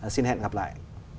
xin hẹn gặp lại